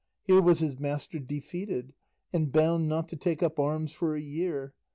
Here was his master defeated, and bound not to take up arms for a year.